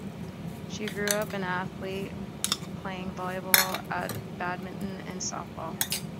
She grew up an athlete, playing volleyball, badminton, and softball.